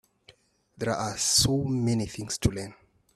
There are so many things to learn.